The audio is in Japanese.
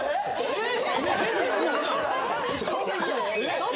えっ？